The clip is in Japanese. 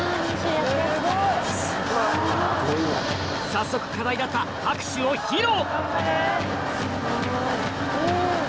早速課題だった拍手を披露！